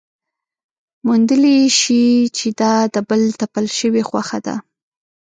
موندلی شي چې دا د بل تپل شوې خوښه ده.